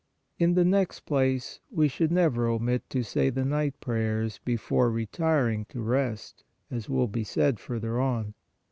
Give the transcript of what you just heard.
In the next place, we should never omit to say the Night Prayers before retiring to rest, as will be said further on.